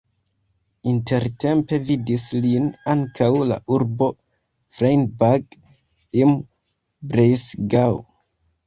Intertempe vidis lin ankaŭ la urbo Freiburg im Breisgau.